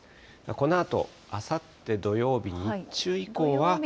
このあと、あさって土曜日日中以降は。